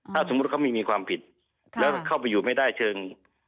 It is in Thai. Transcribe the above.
ถ้าสมมุติเขาไม่มีความผิดแล้วเข้าไปอยู่ไม่ได้เชิง